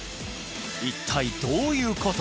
一体どういうこと？